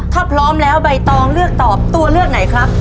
ถ้าพร้อมแล้วใบตองเลือกตอบตัวเลือกไหนครับ